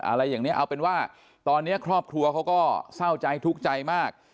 อะไรอย่างนี้เอาเป็นว่าตอนนี้ครอบครัวเขาก็เศร้าใจทุกข์ใจมาก